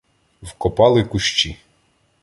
Вкопали кущі.